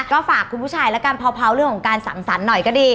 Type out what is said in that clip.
ก็ฝากคุณผู้ชายแล้วกันเพาะเรื่องของการสั่งสรรค์หน่อยก็ดี